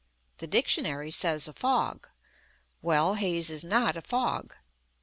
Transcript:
The dictionary says, "a fog." Well, haze is not a fog.